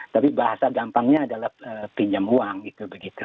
tapi bahasa gampangnya adalah pinjam uang gitu